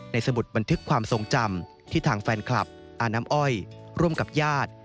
สมุดบันทึกความทรงจำที่ทางแฟนคลับอาน้ำอ้อยร่วมกับญาติ